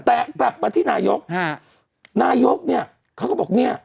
แต่กลับมาที่นายกฮะนายกเนี่ยเขาก็บอกเนี่ย